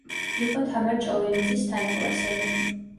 იყო თამარ ჭოველიძის თანაკლასელი.